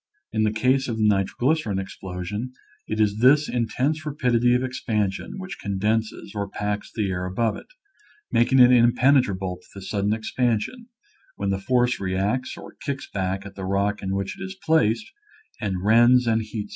In the case of the nitroglycerin explosion, it is this intense rapidity of expansion which condenses or packs the air above it, making it impenetrable to the sudden expansion, when the force reacts or " kicks " back at the rock on which it was placed, and rends and heats it.